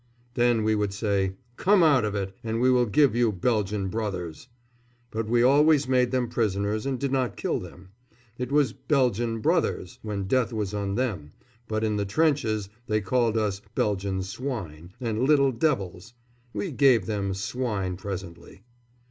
Then we would say, "Come out of it, and we will give you Belgian brothers!" But we always made them prisoners, and did not kill them. It was "Belgian brothers!" when death was on them, but in the trenches they called us "Belgian swine" and "little devils." We gave them "swine" presently.